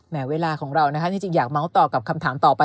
เวลาของเรานะคะจริงอยากเมาส์ต่อกับคำถามต่อไป